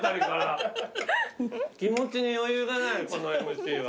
気持ちに余裕がないこのＭＣは。